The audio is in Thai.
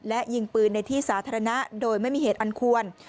และยิงปืนในที่สาธารณะโดยไม่มีเหตุอันควร